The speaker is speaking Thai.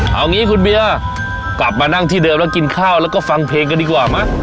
เอางี้คุณเบียร์กลับมานั่งที่เดิมแล้วกินข้าวแล้วก็ฟังเพลงกันดีกว่าไหม